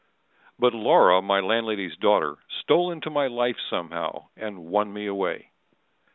But Laura, my landlady's daughter, Stole into my life somehow, and won me away.